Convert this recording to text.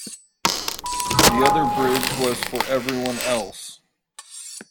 The other bridge was for everyone else.